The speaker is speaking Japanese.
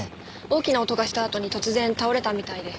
大きな音がしたあとに突然倒れたみたいで。